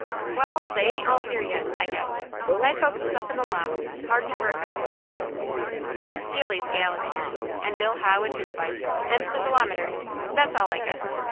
"Wall, they ain't all here yet, I guess; my folks is up in the lot, hard to work, I s'pose. Mis' Seelye's gals is here; and Bill Howe and his wife; and the Delamaters; that's all, I guess.